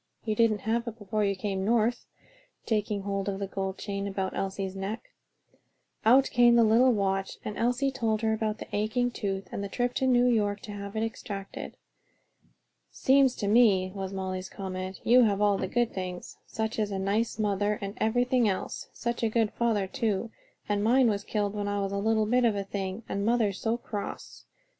You didn't have it before you came North," taking hold of the gold chain about Elsie's neck. Out came the little watch and Elsie told about the aching tooth and the trip to New York to have it extracted. "Seems to me," was Molly's comment, "you have all the good things: such a nice mother and everything else. Such a good father too, and mine was killed when I was a little bit of a thing; and mother's so cross.